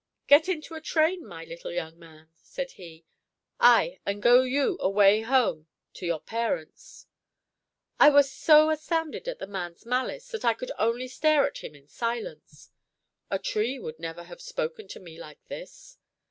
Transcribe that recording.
'Get into a train, my little young man,' said he, I and go you away home to your parents.' I was so astounded at the man's malice, that I could only stare at him in silence. A tree would never have spoken to me like this.